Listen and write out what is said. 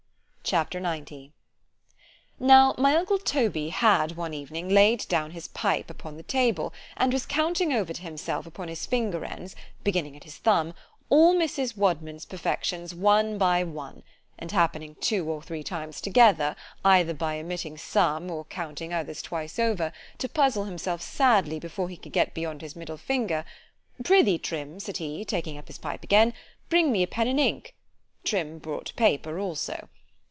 C H A P. XC NOW my uncle Toby had one evening laid down his pipe upon the table, and was counting over to himself upon his finger ends (beginning at his thumb) all Mrs. Wadman's perfections one by one; and happening two or three times together, either by omitting some, or counting others twice over, to puzzle himself sadly before he could get beyond his middle finger——Prithee, Trim! said he, taking up his pipe again,——bring me a pen and ink: Trim brought paper also.